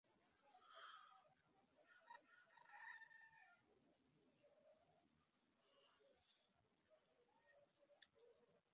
একপর্যায়ে সহকারী প্রধান শিক্ষকের পক্ষ নিয়ে শিক্ষার্থীরা প্রধান শিক্ষকের কক্ষের দরজা-জানালা ভাঙচুর করে।